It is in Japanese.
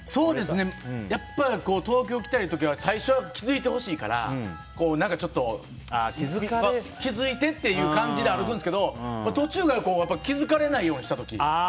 やっぱり、東京に来た時は最初は気づいてほしいから何かちょっと、気づいてっていう感じで歩くんですけど途中からやっぱり気づかれないようにした時。